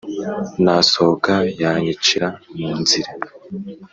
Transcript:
nasohoka yanyicira mu nzira”